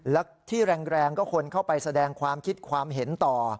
แล้วที่แรงก็คนเข้าไปแสดงความคิดความเห็นต่อ